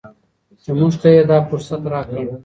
چې موږ ته یې دا فرصت راکړ.